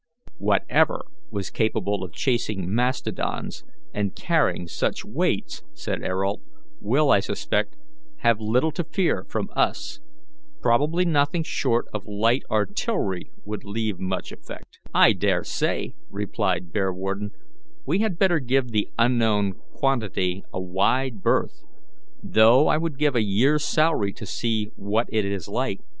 "Whatever was capable of chasing mastodons and carrying such weights," said Ayrault, "will, I suspect, have little to fear from us. Probably nothing short of light artillery would leave much effect." "I dare say," replied Bearwarden, "we had better give the unknown quantity a wide berth, though I would give a year's salary to see what it is like.